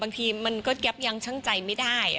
บางทีมันก็ยับยังช่างใจไม่ได้